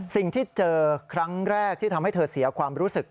สิ่งที่เจอครั้งแรกที่ทำให้เธอเสียความรู้สึก